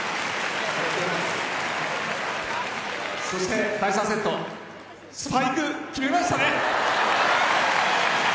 そして第３セットスパイク決めましたね。